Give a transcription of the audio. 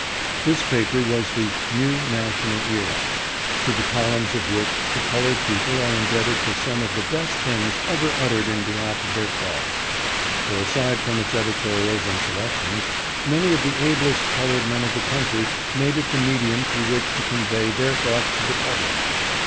This paper was the New National Era, to the columns of which the colored people are indebted for some of the best things ever uttered in behalf of their cause ; for, aside from its THE FREEDMAN'S BANK. 487 editorials and selections, many of the ablest colored men of the country made it the medium through which to convey their thoughts to the public.